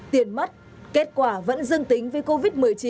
tiền mất kết quả vẫn dương tính với covid một mươi chín